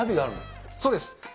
そうです。